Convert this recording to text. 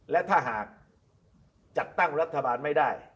และถ้าหากจัดตั้งรัฐบาลไม่ได้